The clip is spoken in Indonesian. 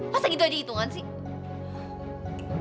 masa gitu aja hitungan sih